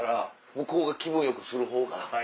向こうが気分よくするほうが。